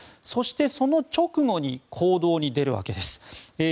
そしてその直後に行動に出るわけです。